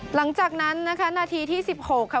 หลังจากนั้นนะคะนาทีที่๑๖ค่ะ